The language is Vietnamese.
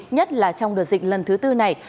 nhất là trong đợt dịch lần thứ bốn này